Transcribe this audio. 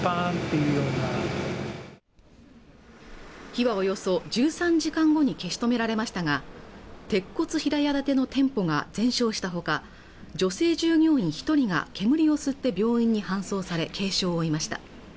火はおよそ１３時間後に消し止められましたが鉄骨平屋建ての店舗が全焼したほか女性従業員一人が煙を吸って病院に搬送され軽傷を負いました